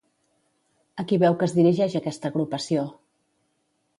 A qui veu que es dirigeix aquesta agrupació?